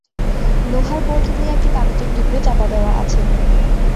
লোহার বোল্ট দিয়ে একটি কাগজের টুকরো চাপা দেওয়া আছে।